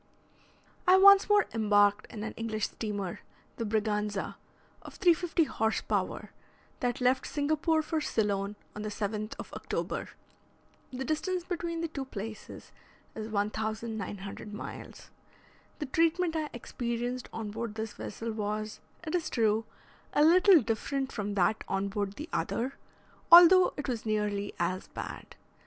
I once more embarked in an English steamer, the "Braganza," of 350 horse power, that left Singapore for Ceylon on the 7th of October. The distance between the two places is 1,900 miles. The treatment I experienced on board this vessel was, it is true, a little different from that on board the other, although it was nearly as bad.